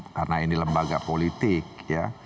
karena ini lembaga politik ya